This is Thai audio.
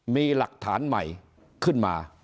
มีหลักฐานใหม่ขึ้นมา